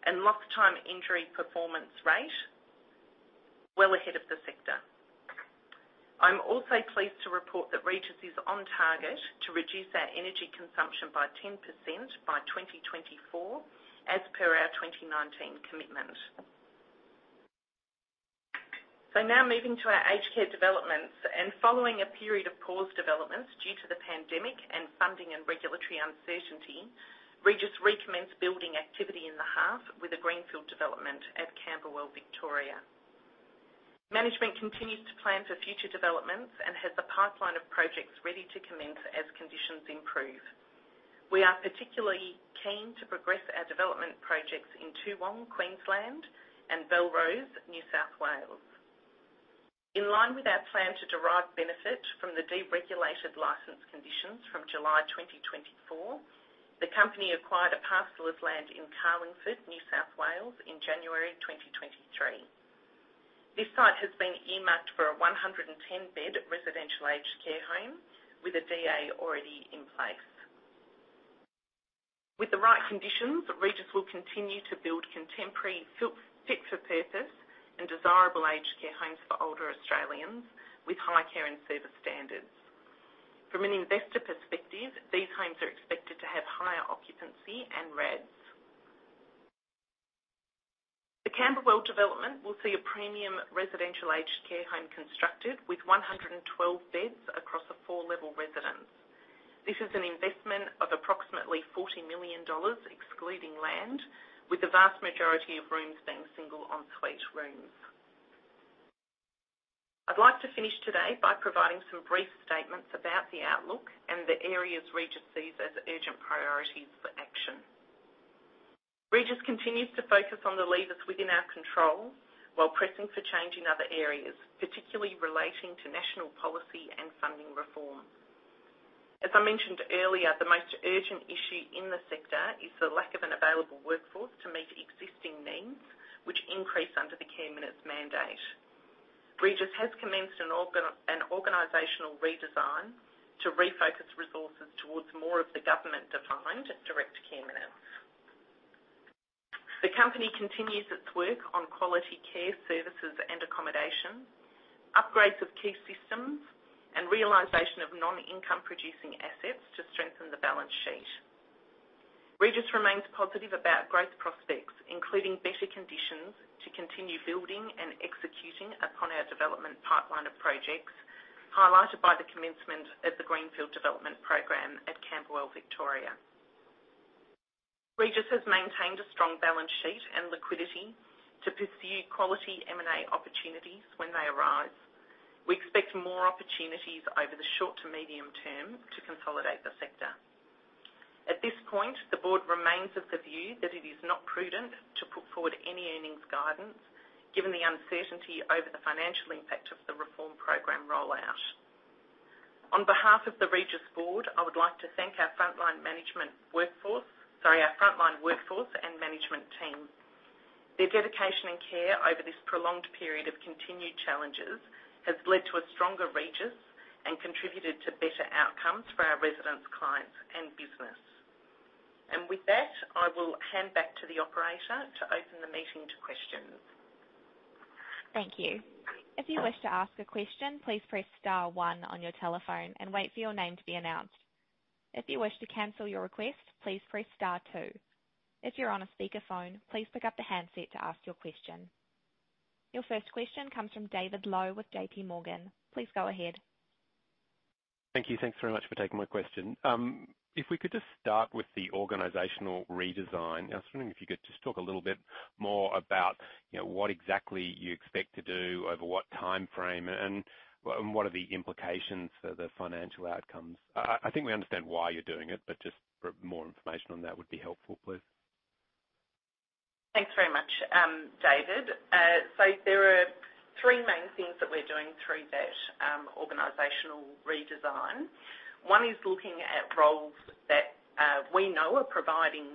and lost time injury performance rate well ahead of the sector. I'm also pleased to report that Regis is on target to reduce our energy consumption by 10% by 2024 as per our 2019 commitment. Now moving to our aged care developments and following a period of paused developments due to the pandemic and funding and regulatory uncertainty, Regis recommenced building activity in the half with a greenfield development at Camberwell, Victoria. Management continues to plan for future developments and has a pipeline of projects ready to commence as conditions improve. We are particularly keen to progress our development projects in Toowong, Queensland and Belrose, New South Wales. In line with our plan to derive benefit from the deregulated license conditions from July 2024, the company acquired a parcel of land in Carlingford, New South Wales in January 2023. This site has been earmarked for a 110 bed residential aged care home with a DA already in place. With the right conditions, Regis will continue to build contemporary fit for purpose and desirable aged care homes for older Australians with high care and service standards. From an investor perspective, these homes are expected to have higher occupancy and RADs. The Camberwell development will see a premium residential aged care home constructed with 112 beds across a four-level residence. This is an investment of approximately 40 million dollars, excluding land, with the vast majority of rooms being single ensuite rooms. I'd like to finish today by providing some brief statements about the outlook and the areas Regis sees as urgent priorities for action. Regis continues to focus on the levers within our control while pressing for change in other areas, particularly relating to national policy and funding reform. As I mentioned earlier, the most urgent issue in the sector is the lack of an available workforce to meet existing needs, which increase under the care minutes mandate. Regis has commenced an organizational redesign to refocus resources towards more of the government-defined direct care minutes. The company continues its work on quality care services and accommodation, upgrades of key systems and realization of non-income producing assets to strengthen the balance sheet. Regis remains positive about growth prospects, including better conditions to continue building and executing upon our development pipeline of projects, highlighted by the commencement of the Greenfield development program at Camberwell, Victoria. Regis has maintained a strong balance sheet and liquidity to pursue quality M&A opportunities when they arise. We expect more opportunities over the short to medium term to consolidate the sector. At this point, the board remains of the view that it is not prudent to put forward any earnings guidance, given the uncertainty over the financial impact of the reform program rollout. On behalf of the Regis board, I would like to thank our frontline workforce and management team. Their dedication and care over this prolonged period of continued challenges has led to a stronger Regis and contributed to better outcomes for our residents, clients, and business. With that, I will hand back to the operator to open the meeting to questions. Thank you. If you wish to ask a question, please press star one on your telephone and wait for your name to be announced. If you wish to cancel your request, please press star two. If you're on a speakerphone, please pick up the handset to ask your question. Your first question comes from David Lowe with J.P. Morgan. Please go ahead. Thank you. Thanks very much for taking my question. If we could just start with the organizational redesign, I was wondering if you could just talk a little bit more about, you know, what exactly you expect to do over what timeframe and what are the implications for the financial outcomes. I think we understand why you're doing it, but just more information on that would be helpful, please. Thanks very much, David. There are three main things that we're doing through that organizational redesign. One is looking at roles that we know are providing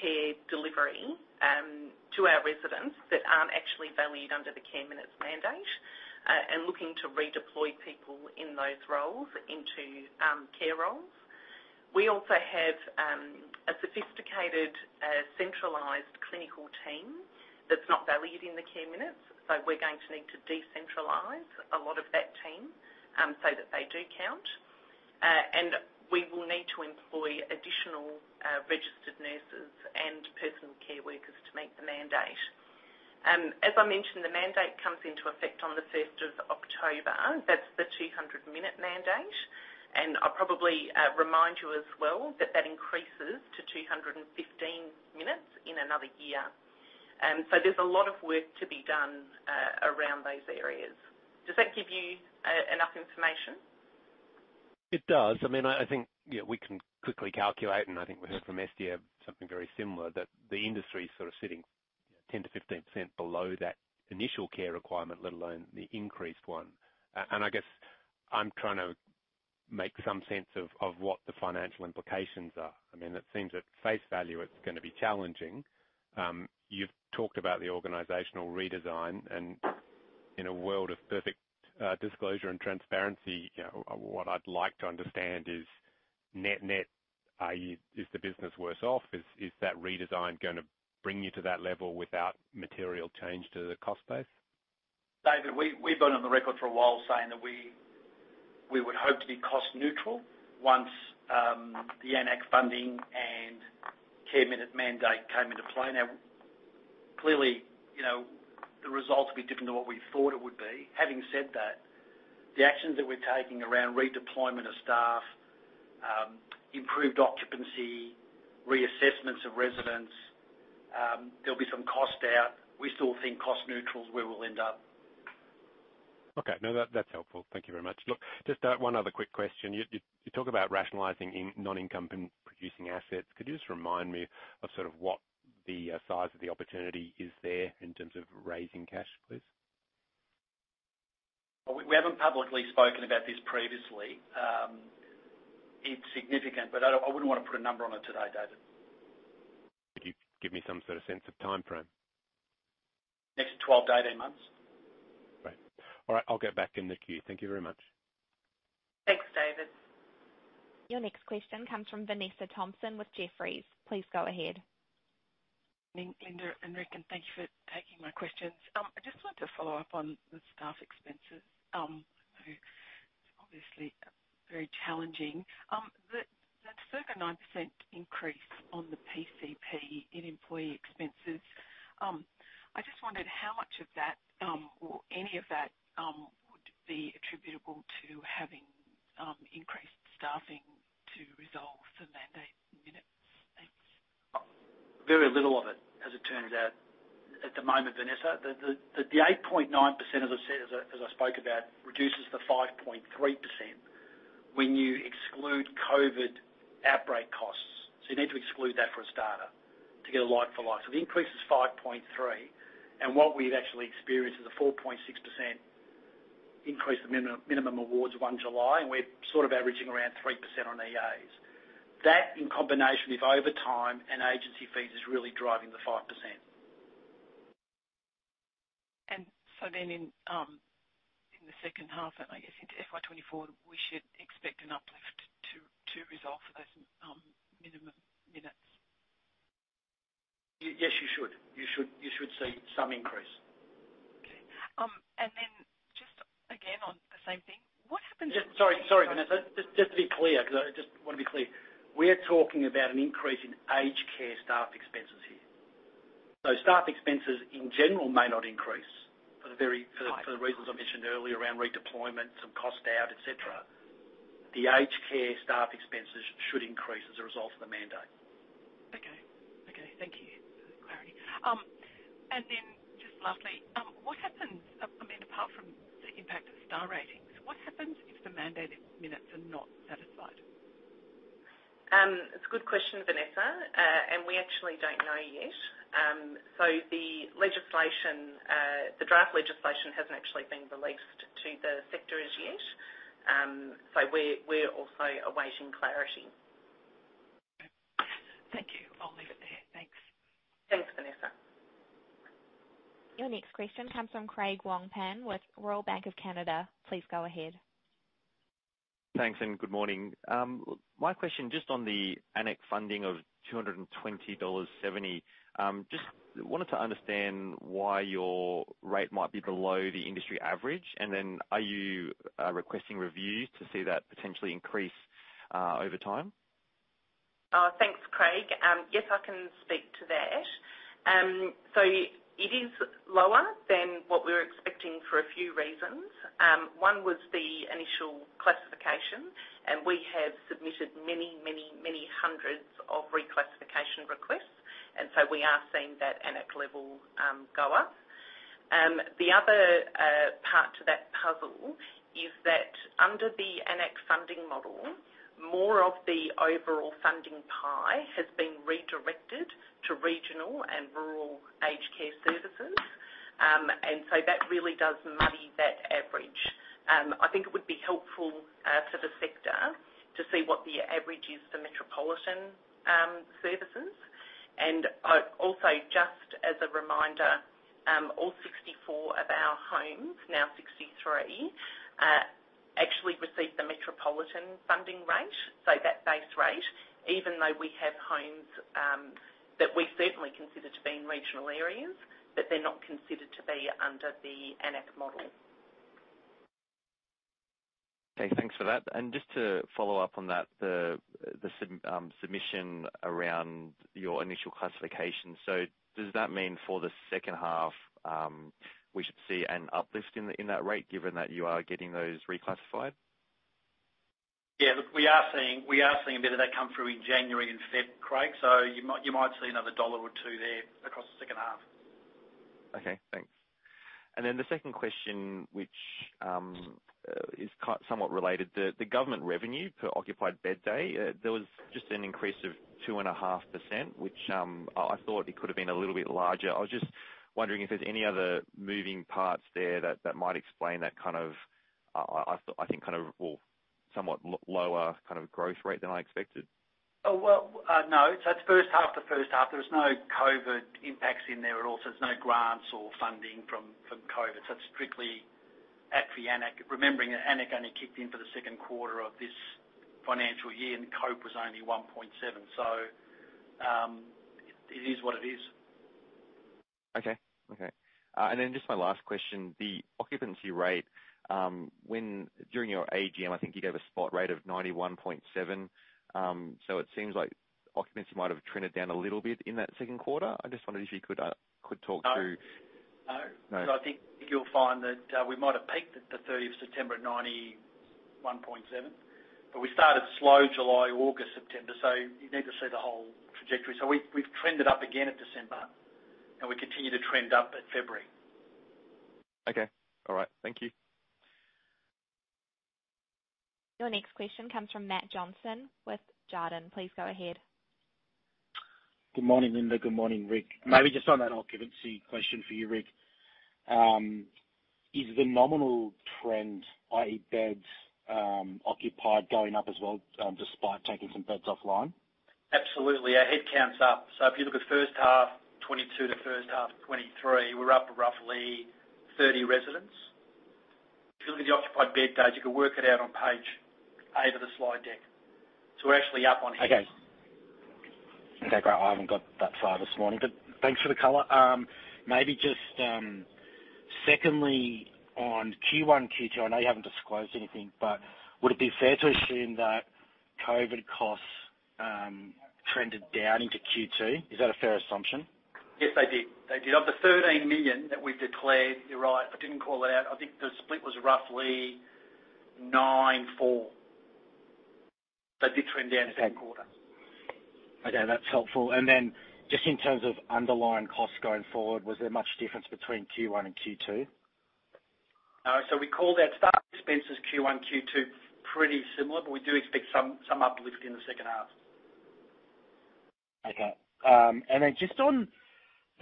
care delivery to our residents that aren't actually valued under the care minutes mandate and looking to redeploy people in those roles into care roles. We also have a sophisticated centralized clinical team that's not valued in the care minutes, so we're going to need to decentralize a lot of that team so that they do count. We will need to employ additional registered nurses and personal care workers to meet the mandate. As I mentioned, the mandate comes into effect on the first of October. That's the 200-minute mandate. I'll probably remind you as well that that increases to 215 minutes in another year. There's a lot of work to be done around those areas. Does that give you enough information? It does. I mean, I think, you know, we can quickly calculate, and I think we heard from SDM something very similar, that the industry is sort of sitting 10%-15% below that initial care requirement, let alone the increased one. I guess I'm trying to make some sense of what the financial implications are. I mean, it seems at face value, it's gonna be challenging. You've talked about the organizational redesign and in a world of perfect disclosure and transparency, you know, what I'd like to understand is net-net, Is the business worse off? Is that redesign gonna bring you to that level without material change to the cost base? David, we've been on the record for a while saying that we would hope to be cost neutral once the AN-ACC funding and care minute mandate came into play. Clearly, you know, the results will be different to what we thought it would be. Having said that, the actions that we're taking around redeployment of staff, improved occupancy, reassessments of residents, there'll be some cost out. We still think cost neutral is where we'll end up. Okay. No, that's helpful. Thank you very much. Look, just one other quick question. You talk about rationalizing in non-income producing assets. Could you just remind me of sort of what the size of the opportunity is there in terms of raising cash, please? We haven't publicly spoken about this previously. It's significant, but I wouldn't wanna put a number on it today, David. Could you give me some sort of sense of timeframe? Next 12-18 months. Great. All right. I'll get back in the queue. Thank you very much. Thanks, David. Your next question comes from Vanessa Thomson with Jefferies. Please go ahead. Good morning, Linda and Rick. Thank you for taking my questions. I just wanted to follow up on the staff expenses. Obviously very challenging. The circa 9% increase on the PCP in employee expenses, I just wondered how much of that, or any of that, would be attributable to having increased staffing to resolve the mandate minutes. Thanks. Very little of it, as it turns out at the moment, Vanessa. The 8.9%, as I said, as I spoke about, reduces the 5.3% when you exclude COVID outbreak costs. You need to exclude that for a starter to get a like for like. The increase is 5.3%, and what we've actually experienced is a 4.6% increase the minimum awards of 1 July, and we're sort of averaging around 3% on EAs. That in combination with overtime and agency fees is really driving the 5%. In the second half, and I guess into FY 2024, we should expect an uplift to resolve for those, minimum minutes. Yes, you should. You should see some increase. Okay. Then just again on the same thing. What happens- Sorry. Sorry, Vanessa. Just to be clear, 'cause I just wanna be clear. We're talking about an increase in aged care staff expenses here. Staff expenses in general may not increase for the reasons I mentioned earlier around redeployment, some cost out, et cetera. The aged care staff expenses should increase as a result of the mandate. Okay. Okay. Thank you for the clarity. Just lastly, what happens, I mean, apart from the impact of star ratings, what happens if the mandated minutes are not satisfied? It's a good question, Vanessa. We actually don't know yet. The legislation, the draft legislation hasn't actually been released to the sector as yet. We're also awaiting clarity. Thank you. I'll leave it there. Thanks. Thanks, Vanessa. Your next question comes from Craig Wong-Pan with Royal Bank of Canada. Please go ahead. Thanks, good morning. My question just on the AN-ACC funding of 220.70 dollars, just wanted to understand why your rate might be below the industry average. Are you requesting reviews to see that potentially increase over time? Thanks, Craig. Yes, I can speak to that. It is lower than what we were expecting for a few reasons. One was the initial classification, and we have submitted many, many, many hundreds of reclassification requests. We are seeing that AN-ACC level go up. The other part to that puzzle is that under the AN-ACC funding model, more of the overall funding pie has been redirected to regional and rural aged care services. That really does muddy that average. I think it would be helpful for the sector to see what the average is for metropolitan services. Also, just as a reminder, all 64 of our homes, now 63, actually receive the metropolitan funding rate, so that base rate, even though we have homes that we certainly consider to be in regional areas, but they're not considered to be under the AN-ACC model. Okay, thanks for that. Just to follow up on that, the submission around your initial classification. Does that mean for the second half, we should see an uplift in that rate given that you are getting those reclassified? Yeah. Look, we are seeing a bit of that come through in January and Feb, Craig. You might see another AUD 1 or 2 dollar there across the second half. Okay, thanks. The second question, which is somewhat related, the government revenue per occupied bed day, there was just an increase of 2.5%, which, I thought it could have been a little bit larger. I was just wondering if there's any other moving parts there that might explain that kind of, I think kind of, well, somewhat lower growth rate than I expected. Well, no. That's first half to first half. There was no COVID impacts in there at all, there's no grants or funding from COVID. It's strictly ACFI AN-ACC. Remembering that AN-ACC only kicked in for the second quarter of this financial year, and the COVID was only 1.7. It is what it is. Okay. Okay. Just my last question, the occupancy rate, when, during your AGM, I think you gave a spot rate of 91.7%. It seems like occupancy might have trended down a little bit in that second quarter. I just wondered if you could talk to. No. No. I think you'll find that, we might have peaked at the 30th September at 91.7, but we started slow July, August, September. You need to see the whole trajectory. We've trended up again at December, and we continue to trend up at February. Okay. All right. Thank you. Your next question comes from Matt Johnson with Jarden. Please go ahead. Good morning, Linda. Good morning, Rick. Maybe just on that occupancy question for you, Rick. Is the nominal trend, i.e., beds, occupied, going up as well, despite taking some beds offline? Absolutely. Our headcount's up. If you look at first half 2022 to first half 2023, we're up roughly 30 residents. If you look at the occupied bed days, you can work it out on page 8 of the slide deck. We're actually up on headcount. Okay. Okay, great. I haven't got that slide this morning, but thanks for the color. Maybe just, secondly, on Q1, Q2, I know you haven't disclosed anything, but would it be fair to assume that COVID costs trended down into Q2? Is that a fair assumption? Yes, they did. They did. Of the 13 million that we've declared, you're right, I didn't call it out. I think the split was roughly 9-4. They did trend down as headquarter. Okay, that's helpful. Just in terms of underlying costs going forward, was there much difference between Q1 and Q2? We called out staff expenses Q1, Q2, pretty similar, but we do expect some uplift in the second half. Okay. Just on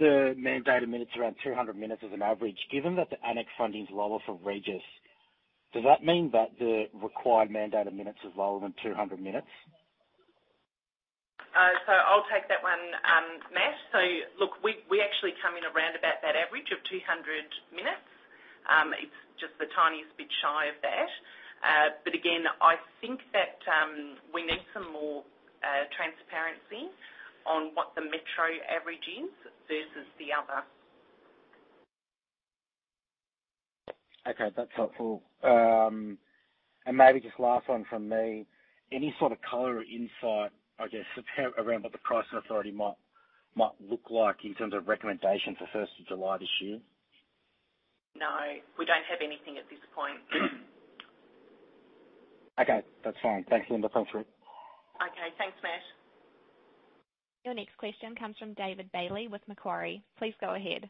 the mandated minutes, around 200 minutes as an average. Given that the AN-ACC funding is lower for Regis, does that mean that the required mandated minutes is lower than 200 minutes? I'll take that one, Matt. Look, we actually come in around about that average of 200 minutes. It's just the tiniest bit shy of that. Again, I think that we need some more transparency on what the metro average is versus the other. Okay, that's helpful. Maybe just last one from me. Any sort of color or insight, I guess, around what the Pricing Authority might look like in terms of recommendation for first of July this year? No, we don't have anything at this point. Okay, that's fine. Thanks, Linda. Thanks, Rick. Okay, thanks, Matt. Your next question comes from David Bailey with Macquarie. Please go ahead.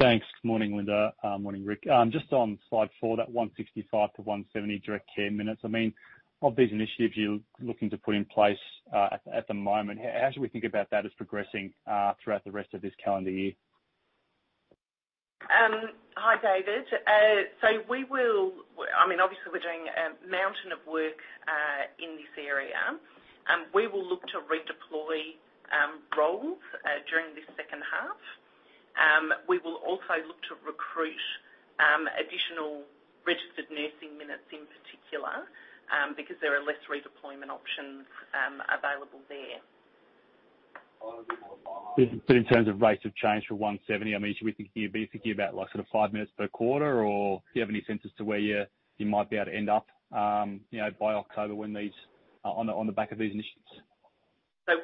Thanks. Morning, Linda. Morning, Rick. Just on slide 4, that 165-170 direct care minutes. I mean, of these initiatives you're looking to put in place, at the moment, how should we think about that as progressing throughout the rest of this calendar year? Hi, David. I mean, obviously, we're doing a mountain of work in this area, and we will look to redeploy roles during this second half. We will also look to recruit additional registered nursing minutes in particular, because there are less redeployment options available there. In terms of rates of change for 170, I mean, should we be thinking about like sort of 5 minutes per quarter, or do you have any sense as to where you might be able to end up, you know, by October on the back of these initiatives?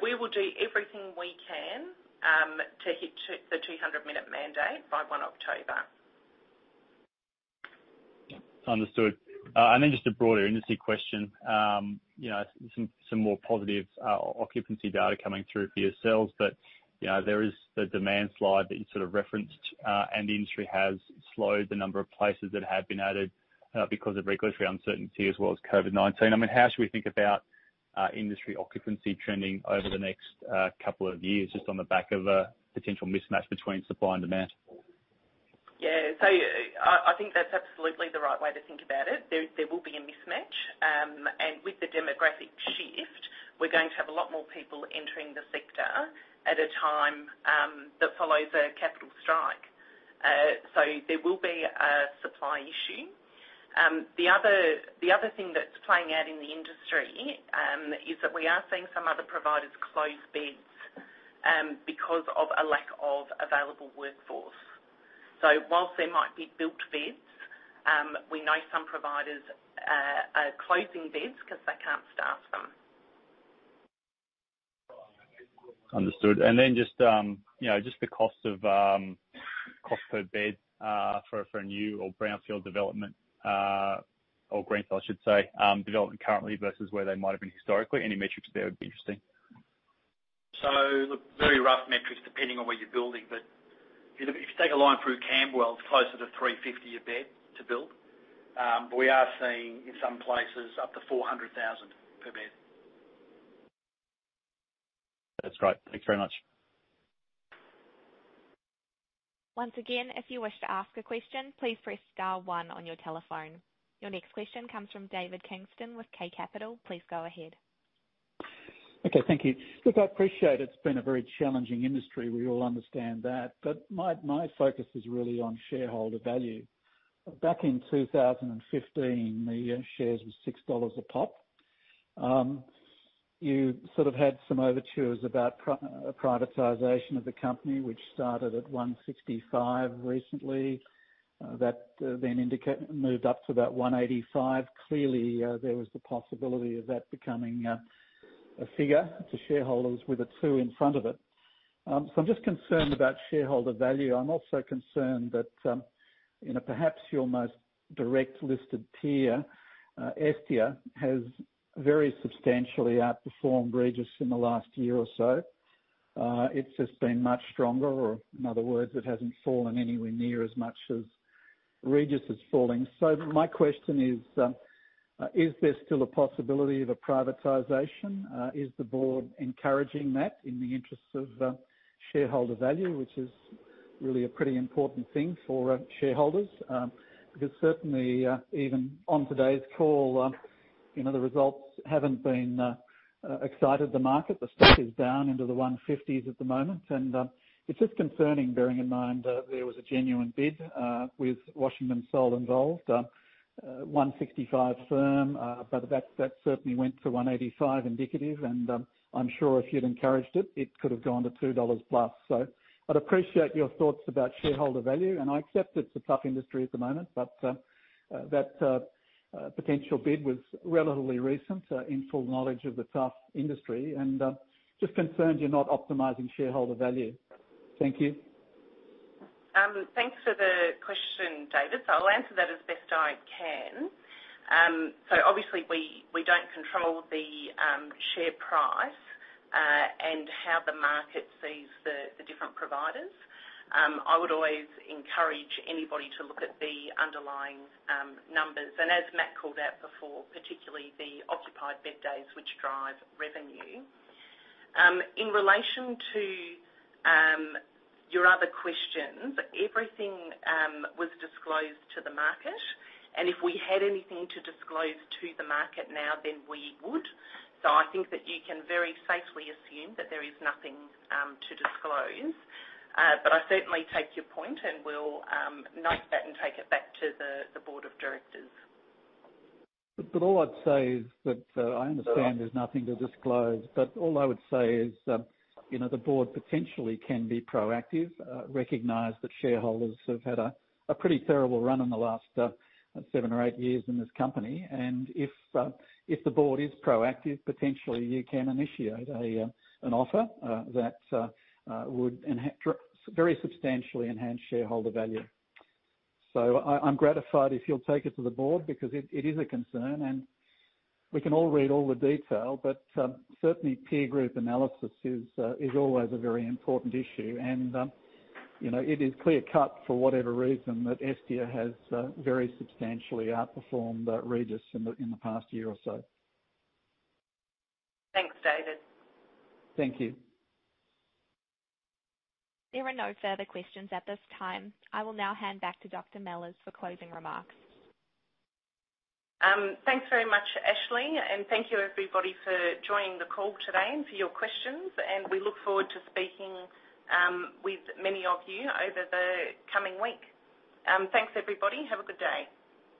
We will do everything we can, to hit the 200-minute mandate by October 1. Understood. Just a broader industry question. You know, some more positive occupancy data coming through for yourselves. You know, there is the demand slide that you sort of referenced, the industry has slowed the number of places that have been added, because of regulatory uncertainty as well as COVID-19. How should we think about industry occupancy trending over the next couple of years just on the back of a potential mismatch between supply and demand? Yeah. I think that's absolutely the right way to think about it. There will be a mismatch. With the demographic shift, we're going to have a lot more people entering the sector at a time that follows a capital strike. There will be a supply issue. The other thing that's playing out in the industry is that we are seeing some other providers close beds because of a lack of available workforce. Whilst there might be built beds, we know some providers are closing beds 'cause they can't staff them. Understood. Just, you know, just the cost of cost per bed for a, for a new or brownfield development, or greenfield, I should say, development currently versus where they might have been historically. Any metrics there would be interesting? Look, very rough metrics depending on where you're building. If you take a line through Camberwell, it's closer to 350,000 a bed to build. We are seeing in some places up to 400,000 per bed. That's great. Thanks very much. Once again, if you wish to ask a question, please press star one on your telephone. Your next question comes from David Kingston with K Capital. Please go ahead. Okay, thank you. Look, I appreciate it's been a very challenging industry. We all understand that. My, my focus is really on shareholder value. Back in 2015, the shares were 6 dollars a pop. you sort of had some overtures about privatization of the company, which started at 1.65 recently. that then moved up to about 1.85. Clearly, there was the possibility of that becoming a figure to shareholders with a 2 in front of it. I'm just concerned about shareholder value. I'm also concerned that, you know, perhaps your most direct listed peer, Estia, has very substantially outperformed Regis in the last year or so. It's just been much stronger, or in other words, it hasn't fallen anywhere near as much as Regis is falling. My question is there still a possibility of a privatization? Is the board encouraging that in the interest of shareholder value, which is really a pretty important thing for shareholders? Because certainly, even on today's call, you know, the results haven't been excited the market. The stock is down into the 150s at the moment, and it's just concerning bearing in mind that there was a genuine bid with Washington Soul involved, $1.65 firm. That certainly went to $1.85 indicative, and I'm sure if you'd encouraged it could have gone to $2 plus. I'd appreciate your thoughts about shareholder value. I accept it's a tough industry at the moment. That potential bid was relatively recent, in full knowledge of the tough industry. Just concerned you're not optimizing shareholder value. Thank you. Thanks for the question, David. I'll answer that as best I can. Obviously we don't control the share price and how the market sees the different providers. I would always encourage anybody to look at the underlying numbers. As Matt called out before, particularly the occupied bed days which drive revenue. In relation to your other questions, everything was disclosed to the market, and if we had anything to disclose to the market now, then we would. I think that you can very safely assume that there is nothing to disclose. I certainly take your point, and we'll note that and take it back to the board of directors. All I'd say is that, I understand there's nothing to disclose, all I would say is, you know, the board potentially can be proactive, recognize that shareholders have had a pretty terrible run in the last 7 or 8 years in this company. If the board is proactive, potentially you can initiate an offer that would very substantially enhance shareholder value. I'm gratified if you'll take it to the board because it is a concern. We can all read all the detail. Certainly peer group analysis is always a very important issue. You know, it is clear-cut for whatever reason that Estia has very substantially outperformed Regis in the past year or so. Thanks, David. Thank you. There are no further questions at this time. I will now hand back to Dr. Mellors for closing remarks. Thanks very much, Ashley. Thank you, everybody, for joining the call today and for your questions, and we look forward to speaking with many of you over the coming week. Thanks, everybody. Have a good day.